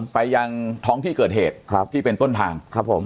ไปยังท้องพี่เกิดเหตุพี่เป็นต้นทาง